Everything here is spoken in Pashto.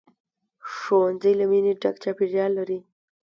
ښوونځی له مینې ډک چاپېریال لري